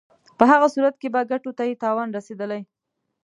په هغه صورت کې به ګټو ته یې تاوان رسېدلی.